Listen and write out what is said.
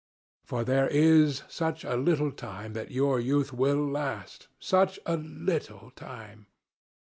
For there is such a little time that your youth will last—such a little time.